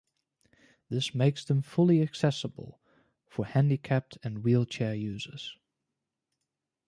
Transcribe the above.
This makes them fully accessible for handicapped and wheelchair users.